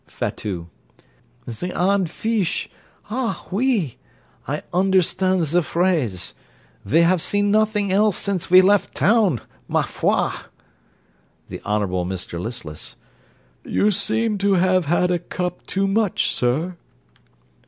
FATOUT De odd fish! Ah, oui! I understand de phrase: ve have seen nothing else since ve left town ma foi! THE HONOURABLE MR LISTLESS You seem to have a cup too much, sir.